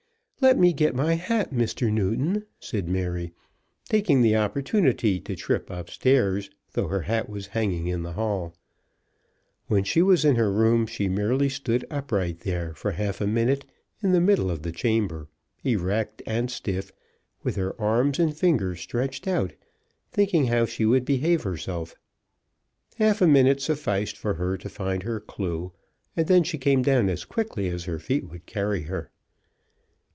"Let me get my hat, Mr. Newton," said Mary, taking the opportunity to trip up stairs, though her hat was hanging in the hall. When she was in her room she merely stood upright there, for half a minute, in the middle of the chamber, erect and stiff, with her arms and fingers stretched out, thinking how she would behave herself. Half a minute sufficed for her to find her clue, and then she came down as quickly as her feet would carry her.